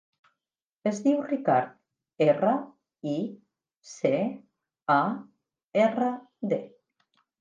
Es diu Ricard: erra, i, ce, a, erra, de.